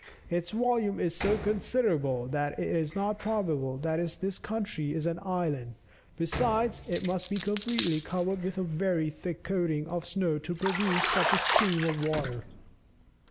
"Its volume is so considerable that it is not probable that this country is an island, besides, it must be completely covered with a very thick coating of snow to produce such a stream of water."